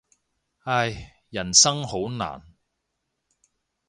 唉，人生好難。